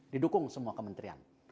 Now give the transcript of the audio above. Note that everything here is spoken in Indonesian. didukung semua kementerian